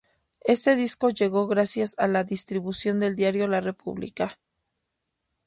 Este disco llegó gracias a la distribución del Diario La Republica.